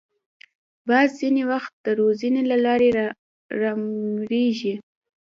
باز ځینې وخت د روزنې له لارې رامېږي